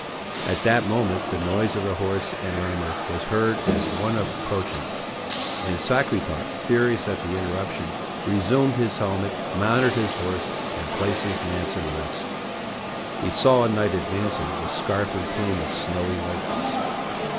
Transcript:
At that moment the noise of horse and armor was heard as of one approaching; and Sacripant, furious at the interruption, resumed his helmet, mounted his horse, and placed his lance in rest. He saw a knight advancing, with scarf and plume of snowy whiteness.